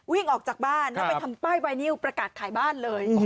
วิ่งออกจากบ้านแล้วไปทำป้ายไวนิวประกาศขายบ้านเลย